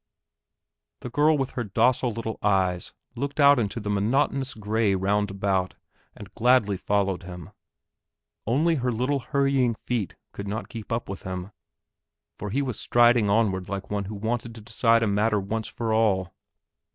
The girl with her docile little eyes looked out into the monotonous gray round about and gladly followed him, only her little hurrying feet could not keep up with his, for he was striding onward like one who wanted to decide a matter once for all.